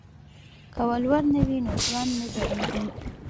که ولور نه وي نو ځوان نه زړیږي.